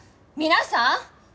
皆さん！